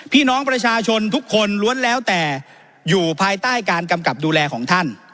พี่น้องประชาชนทุกคนล้วนแล้วแต่อยู่ภายใต้การกำกับดูแลของท่าน